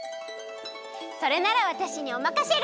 それならわたしにおまかシェル！